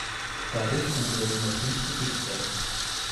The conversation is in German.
Dadurch konnte der junge Prinz besiegt werden.